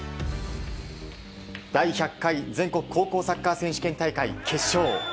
第１００回全国高校サッカー選手権大会決勝。